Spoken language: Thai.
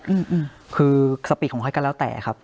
อื้ออือคือสปิดของใครก็แล้วแต่ครับ